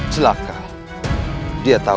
kalau kamu adalah